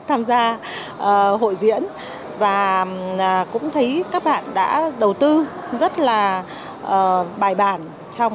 tham gia hội diễn và cũng thấy các bạn đã đầu tư rất là bài bản trong